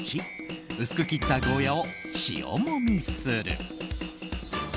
１薄く切ったゴーヤを塩もみする。